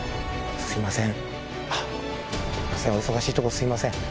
すみません、お忙しいところ、すみません。